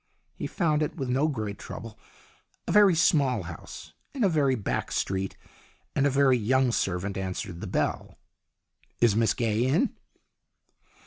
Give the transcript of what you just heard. He found it with no great trouble a very small house in a very back street and a very young servant answered the bell. "Is Miss Gaye in?"